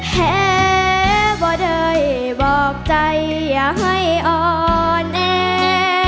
แพ้บ่ได้บอกใจอย่าให้อ่อนแอ